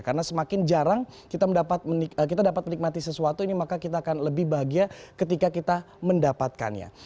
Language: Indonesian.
karena semakin jarang kita dapat menikmati sesuatu ini maka kita akan lebih bahagia ketika kita mendapatkannya